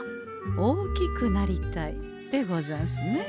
「大きくなりたい」でござんすね。